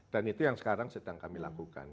dan itu yang sekarang sedang kami lakukan